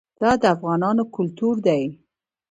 دا د افغانانو کلتور دی.